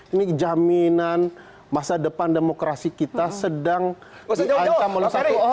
ini jaminan masa depan demokrasi kita sedang diancam oleh satu orang